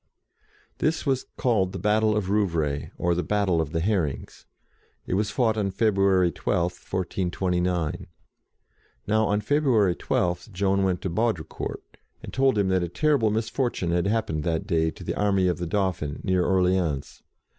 This was called the battle of Rouvray, or the battle of the Herrings. It was fought on February 12, 1429. Now, on February 12, Joan went to Baudricourt, and told him that a terrible misfortune had happened that day to the army of the Dauphin, near Orleans.